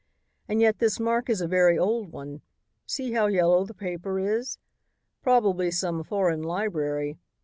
And yet this mark is a very old one. See how yellow the paper is. Probably some foreign library.